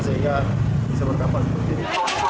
sehingga bisa berdampak seperti ini